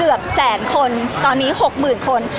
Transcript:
พี่ตอบได้แค่นี้จริงค่ะ